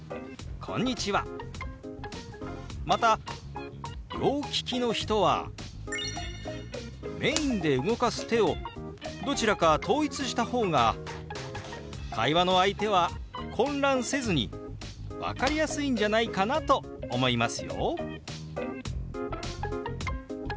また両利きの人はメインで動かす手をどちらか統一した方が会話の相手は混乱せずに分かりやすいんじゃないかなと思いますよ！